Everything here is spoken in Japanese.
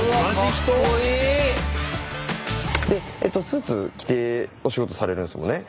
スーツ着てお仕事されるんですもんね。